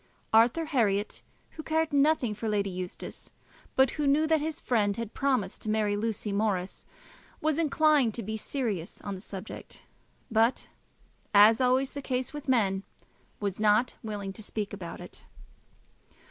Arthur Herriot, who cared nothing for Lady Eustace, but who knew that his friend had promised to marry Lucy Morris, was inclined to be serious on the subject; but, as is always the case with men, was not willing to speak about it.